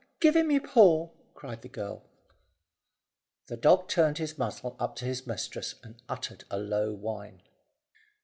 Give him your paw," cried the girl. The dog turned his muzzle up to his mistress, and uttered a low whine.